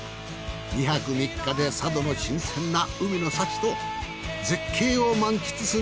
２泊３日で佐渡の新鮮な海の幸と絶景を満喫するツアーでした。